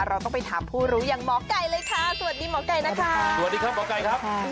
เราต้องไปถามผู้รู้อย่างหมอไก่เลยค่ะสวัสดีหมอไก่นะคะสวัสดีครับหมอไก่ครับ